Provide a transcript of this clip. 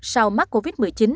sau mắc covid một mươi chín